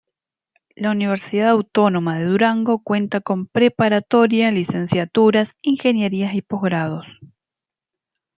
La Universidad Autónoma de Durango cuenta con preparatoria, licenciaturas, ingenierías y posgrados.